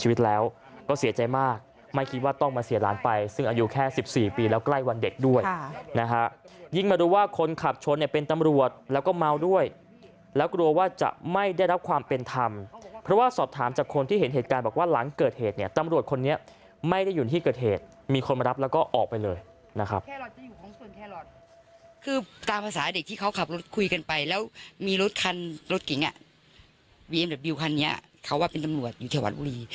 ชีวิตแล้วก็เสียใจมากไม่คิดว่าต้องมาเสียร้านไปซึ่งอายุแค่๑๔ปีแล้วกล้ายวันเด็กด้วยนะคะยิ่งมาดูว่าคนขับชนเนี่ยเป็นตำรวจแล้วก็เมาด้วยแล้วกลัวว่าจะไม่ได้รับความเป็นธรรมเพราะว่าสอบถามจากคนที่เห็นเหตุการณ์แบบว่าหลังเกิดเหตุเนี่ยตำรวจคนนี้ไม่ได้หยุดที่เกิดเหตุมีคนมารับแล้วก็ออกไปเลยนะครับ